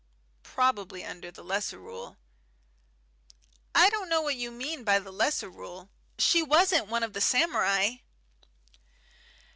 "Probably under the Lesser Rule." "I don't know what you mean by the Lesser Rule. She wasn't one of the samurai."